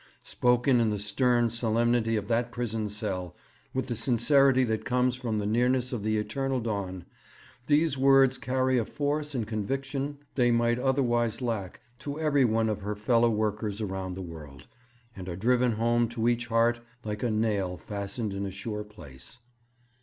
Spoken in the stern solemnity of that prison cell, with the sincerity that comes from the nearness of the eternal dawn, these words carry a force and conviction they might otherwise lack to every one of her fellow workers round the world, and are driven home to each heart like a nail fastened in a sure place....